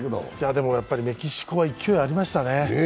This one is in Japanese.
でもやっぱりメキシコは勢いありましたね。